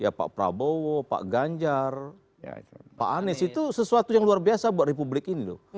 ya pak prabowo pak ganjar pak anies itu sesuatu yang luar biasa buat republik ini loh